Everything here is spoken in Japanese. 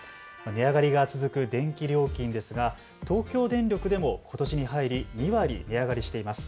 値上がりが続く電気料金ですが東京電力でもことしに入り２割値上がりしています。